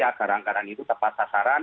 agar anggaran itu tepat sasaran